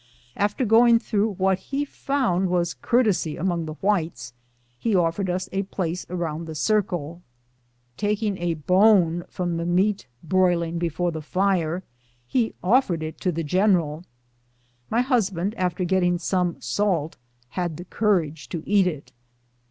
After going through what he found was courtesy among the whites, he offered us a place around the circle. Taking a bone from the meat broiling before the fire he offered it to the general. My husband, after getting some salt, had the courage to eat it.